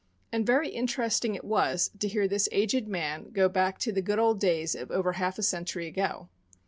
And very interesting it was to hear this aged man go back to the "good old days" of over half a century ago.